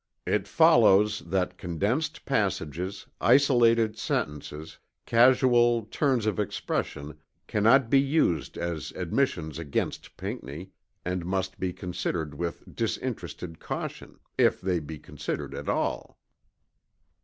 It follows that condensed passages, isolated sentences, casual turns of expression cannot be used as admissions against Pinckney, and must be considered with disinterested caution, if they be considered at all.